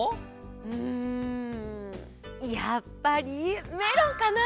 うんやっぱりメロンかな！